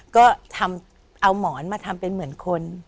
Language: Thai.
ก็ทำเอาหมอนมาทำเป็นเหมือนคน